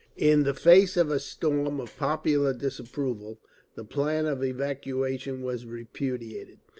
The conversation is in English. In the face of a storm of popular disapproval the plan of evacuation was repudiated.